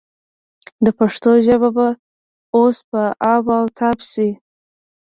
د پښتو ژبه به اوس په آب و تاب شي.